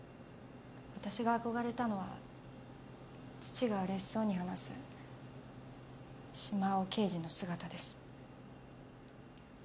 私が憧れたのは父がうれしそうに話す島尾刑事の姿です。